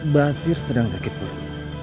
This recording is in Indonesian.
basir sedang sakit perut